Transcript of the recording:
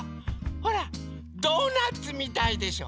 ほらドーナツみたいでしょ！